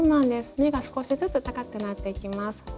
目が少しずつ高くなっていきます。